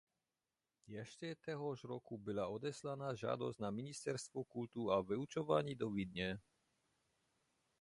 Ještě téhož roku byla odeslána žádost na ministerstvo kultu a vyučování do Vídně.